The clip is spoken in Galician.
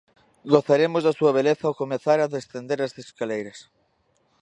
Gozaremos da súa beleza ao comezar a descender as escaleiras.